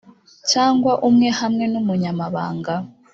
cyangwa umwe hamwe n umunyamabanga